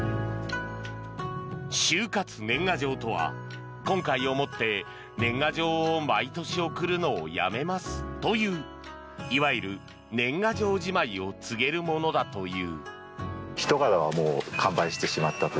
終活年賀状とは今回をもって年賀状を毎年送るのをやめますといういわゆる年賀状じまいを告げるものだという。